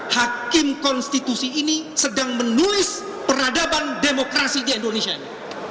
hakim konstitusi ini sedang menulis peradaban demokrasi di indonesia ini